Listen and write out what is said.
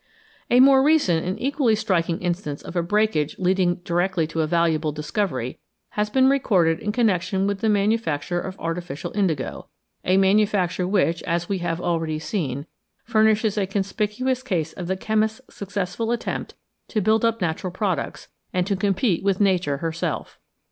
A more recent and equally striking instance of a breakage leading directly to a valuable discovery has been recorded in connection with the manufacture of artificial indigo a manufacture which, as we have already seen, furnishes a conspicuous case of the chemist's successful attempt to build up natural products, and to compete with Nature herself.